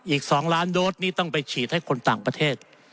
อีก๒ล้านโดสนี่ต้องไปฉีดให้คนต่างประเทศ